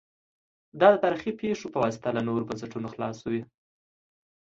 دا د تاریخي پېښو په واسطه له نورو بنسټونو جلا شوي